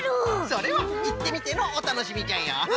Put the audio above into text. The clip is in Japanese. それはいってみてのおたのしみじゃよ。